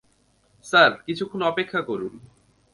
Sir, কিছুক্ষণ অপেক্ষা করুন।